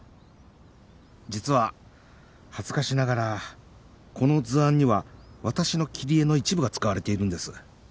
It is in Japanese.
実は恥ずかしながらこの図案には私の切り絵の一部が使われているんです。